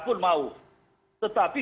pun mau tetapi